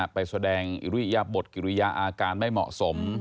ไปแสดงอีกรุยะบทอีกรุยะอาการไม่เหมาะสม